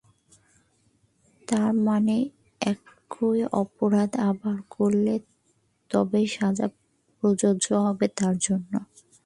তার মানে একই অপরাধ আবার করলে তবেই সাজাটা প্রযোজ্য হবে তাঁর জন্য।